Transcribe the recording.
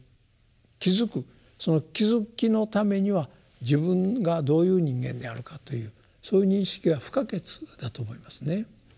その気付きのためには自分がどういう人間であるかというそういう認識が不可欠だと思いますね。